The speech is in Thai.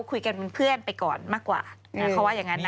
เขาว่าอย่างนั้นนะ